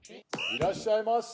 いらっしゃいませ！